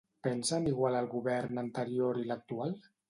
Pensen igual el Govern anterior i l'actual?